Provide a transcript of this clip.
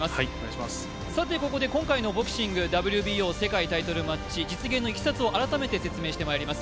ここで今回のボクシング、ＷＢＯ世界タイトルマッチのいきさつをお伝えします。